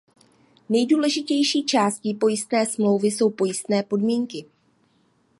Nejdůležitější částí pojistné smlouvy jsou pojistné podmínky.